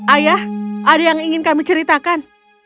ayah ada yang ingin kami ceritakan